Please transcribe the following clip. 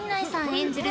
演じる